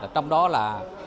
trong đó là